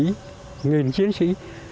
hàng nghìn chiến sĩ